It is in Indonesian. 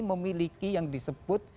memiliki yang disebut